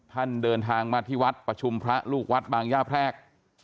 เดินทางมาที่วัดประชุมพระลูกวัดบางย่าแพรก